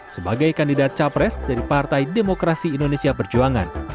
sebagai kandidat capres dari partai demokrasi indonesia perjuangan